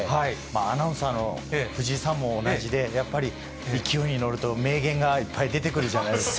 アナウンサーの藤井さんも同じで、やっぱり、勢いに乗ると名言がいっぱい出てくるじゃないですか。